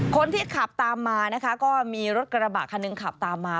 คนที่ขับตามมานะคะก็มีรถกระบะคันหนึ่งขับตามมา